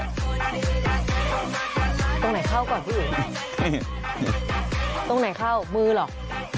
ตรงไหนเข้าก่อนผู้หญิงตรงไหนเข้ามือหรอก